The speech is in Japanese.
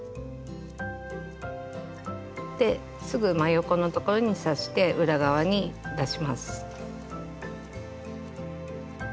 ですぐ真横のところに刺して裏側に出します。